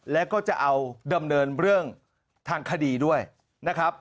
แล้วก็จะเอาดำเนินเรื่องทางคดีด้วยนะครับ